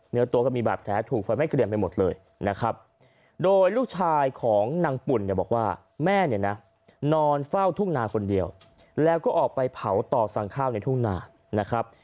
เนื้อตัวก็มีบาดแผลถูกไฟไหม้เกรียมไปหมดเลยนะครับโดยลูกชายของนางปุ่นเนี่ยบอกว่าแม่เนี่ยนะนอนเฝ้าทุ่งนาคนเดียวแล้วก็ออกไปเผาต่อสั่งข้าวในทุ่งนานะครับ